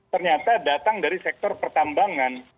ternyata datang dari sektor pertambangan